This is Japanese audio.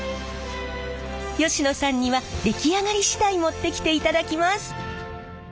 吉野さんには出来上がり次第持ってきていただきます！